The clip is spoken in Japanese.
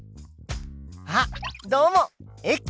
あっどうもです。